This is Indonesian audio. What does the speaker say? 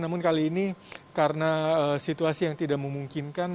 namun kali ini karena situasi yang tidak memungkinkan